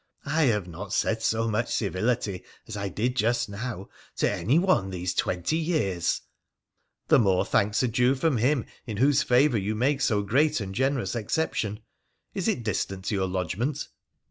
I have not said so much civility as I did just now to anyone this twenty years !'' The more thanks are due from him in whose favour you make so great and generous exception. Is it distant to your lodgment